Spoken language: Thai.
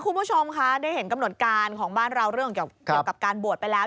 คุณผู้ชมคะได้เห็นกำหนดการของบ้านเราเรื่องเกี่ยวกับการบวชไปแล้ว